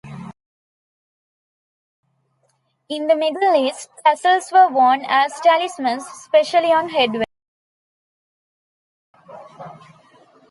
In the Middle East, tassels were worn as talismans, especially on headwear.